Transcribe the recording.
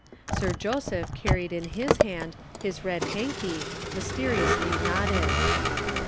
Sir Joseph carried in his hand his red hanky, mysteriously knotted.